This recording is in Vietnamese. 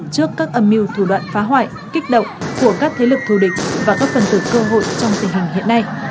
trước các âm mưu thủ đoạn phá hoại kích động của các thế lực thù địch và các phần tử cơ hội trong tình hình hiện nay